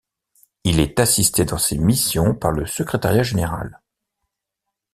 Il est assisté dans ses missions par le Secrétariat général.